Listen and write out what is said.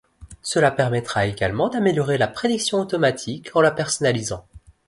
Cela permettra également d'améliorer la prédiction automatique en la personnalisant.